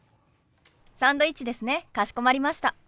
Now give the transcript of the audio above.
サンドイッチですねかしこまりました。